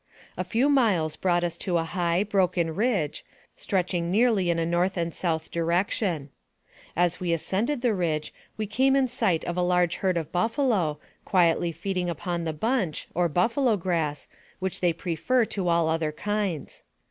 A few miles brought us to a high, broken ridge, stretching nearly in a north and south direc tion. As we ascended the ridge we came in sight of a large herd of buffalo, quietly feeding upon the bunch, or buffalo grass, which they prefer to all other kinds.